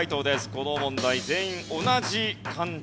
この問題全員同じ漢字。